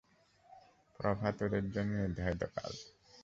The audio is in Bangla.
প্রভাত ওদের জন্যে নির্ধারিত কাল।